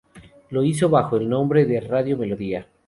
Lo hizo bajo el nombre de "Radio Melodía".